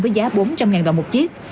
với giá bốn trăm linh đồng một chiếc